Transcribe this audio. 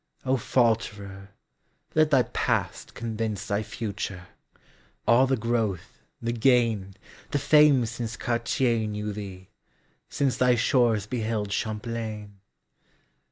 O Falterer, let thy past convinceThy future: all the growth, the gain, The fame since Cartier knew thee, sinceThy shores beheld Champlain!